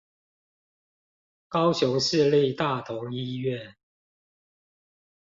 高雄市立大同醫院